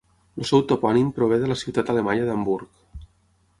El seu topònim prové de la ciutat alemanya d'Hamburg.